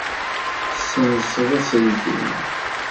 Tessenseḍ aselkim.